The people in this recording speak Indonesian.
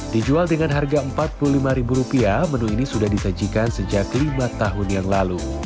dijual dengan harga rp empat puluh lima menu ini sudah disajikan sejak lima tahun yang lalu